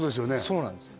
そうなんですよ